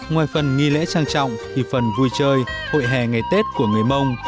ngoài phần nghi lễ trang trọng thì phần vui chơi hội hè ngày tết của người mông